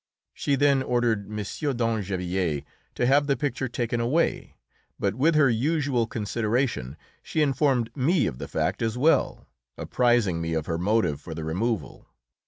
She then ordered M. d'Angevilliers to have the picture taken away, but with her usual consideration she informed me of the fact as well, apprising me of her motive for the removal.